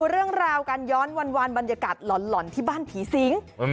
เรื่องราวการย้อนวันบรรยากาศหล่อนที่บ้านผีสิง